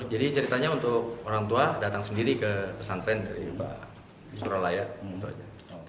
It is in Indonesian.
jadi ceritanya untuk orang tua datang sendiri ke pesantren dari suriyalaya